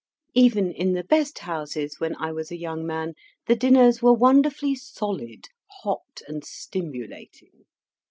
Even in the best houses, when I was a young man, the dinners were wonderfully solid, hot and stimulating.